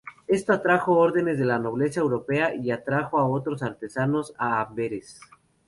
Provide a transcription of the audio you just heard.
Esto atrajo órdenes de la nobleza europea y atrajo a otros artesanos a Amberes.